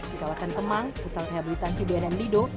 di kawasan kemang pusat rehabilitasi bnn lido